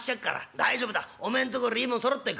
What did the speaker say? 大丈夫だお前んとこよりいいもんそろってるから。